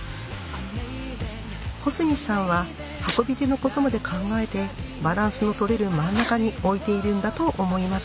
保住さんは運び手のことまで考えてバランスの取れる真ん中に置いているんだと思います。